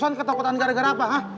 susan ketakutan gara gara apa